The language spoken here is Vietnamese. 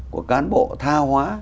của cán bộ tha hóa